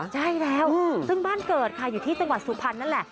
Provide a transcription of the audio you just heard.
ใช่แล้วซึ่งบ้านเกิดค่ะอยู่ที่จังหวัดสุพรรณนั่นแหละ